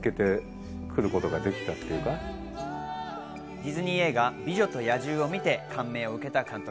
ディズニー映画『美女と野獣』を見て感銘を受けた監督。